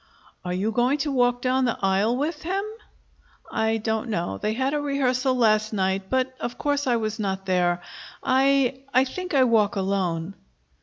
"Are you going to walk down the aisle with him?" "I don't know. They had a rehearsal last night, but of course I was not there. I I think I walk alone."